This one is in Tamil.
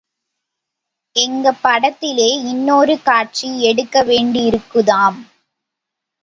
எங்க படத்திலே இன்னொரு காட்சி எடுக்க வேண்டியிருக்குதாம்.